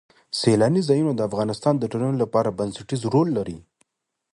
سیلانی ځایونه د افغانستان د ټولنې لپاره بنسټيز رول لري.